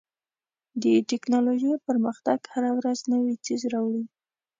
د ټکنالوژۍ پرمختګ هره ورځ نوی څیز راوړي.